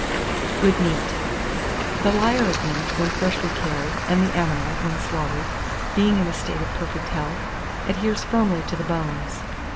GOOD MEAT. The lyer of meat when freshly killed, and the animal, when slaughtered, being in a state of perfect health, adheres firmly to the bones.